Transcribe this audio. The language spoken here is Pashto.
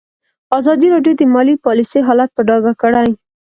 ازادي راډیو د مالي پالیسي حالت په ډاګه کړی.